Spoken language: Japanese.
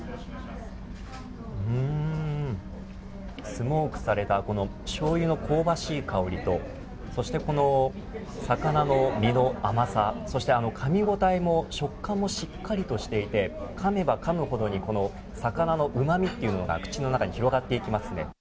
スモークされたこのしょうゆの香ばしい香りとそして、この魚の身の甘さそしてかみごたえも食感もしっかりとしていてかめばかむほどに魚のうまみというのが口の中に広がっていきますね。